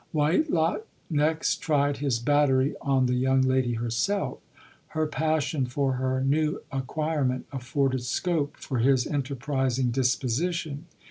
Whitelock next tried his battery on the young lady herself. Her passion for her new acquirement afforded scope for his enterprizing disposition.